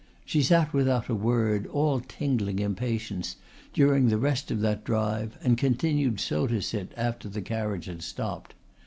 She sat without a word, all tingling impatience, during the rest of that drive and continued so to sit after the carriage had stopped.